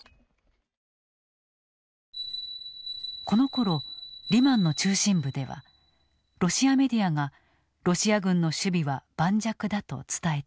このころリマンの中心部ではロシアメディアがロシア軍の守備は盤石だと伝えていた。